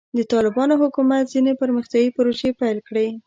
د طالبانو حکومت ځینې پرمختیایي پروژې پیل کړې.